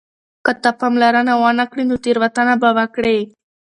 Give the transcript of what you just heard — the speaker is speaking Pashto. که ته پاملرنه ونه کړې نو تېروتنه به وکړې.